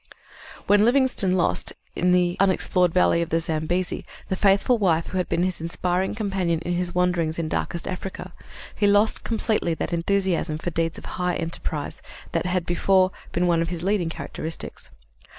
_" When Livingstone lost, in the unexplored valley of the Zambesi, the faithful wife who had been his inspiring companion in his wanderings in darkest Africa, he lost completely that enthusiasm for deeds of high emprise that before had been one of his leading characteristics.